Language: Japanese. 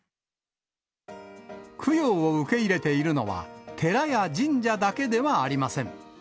供養を受け入れているのは、寺や神社だけではありません。